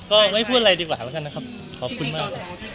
ก็ไม่พูดอะไรดีกว่าครับท่านนะครับขอบคุณมากครับ